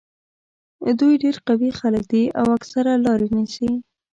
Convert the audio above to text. دوی ډېر قوي خلک دي او اکثره لارې نیسي.